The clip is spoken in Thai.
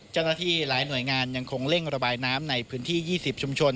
เจ้าหน้าที่หลายหน่วยงานยังคงเร่งระบายน้ำในพื้นที่๒๐ชุมชน